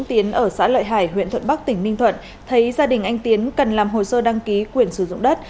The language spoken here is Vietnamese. tiến ở xã lợi hải huyện thuận bắc tỉnh ninh thuận thấy gia đình anh tiến cần làm hồ sơ đăng ký quyền sử dụng đất